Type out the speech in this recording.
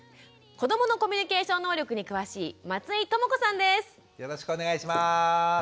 子どものコミュニケーション能力に詳しいよろしくお願いします。